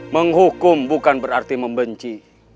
menghukum bukan berarti membenci